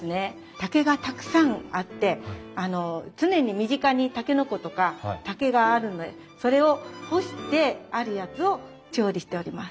竹がたくさんあって常に身近にタケノコとか竹があるんでそれを干してあるやつを調理しております。